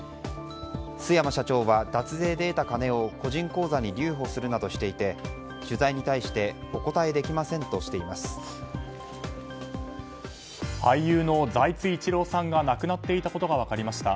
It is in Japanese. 須山社長は、脱税で得た金を個人口座に留保するなどしていて取材に対して俳優の財津一郎さんが亡くなっていたことが分かりました。